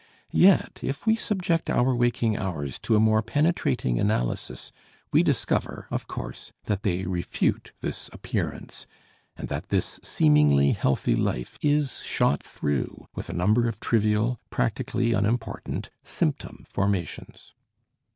Yet if we subject our waking hours to a more penetrating analysis we discover, of course, that they refute this appearance and that this seemingly healthy life is shot through with a number of trivial, practically unimportant symptom formations.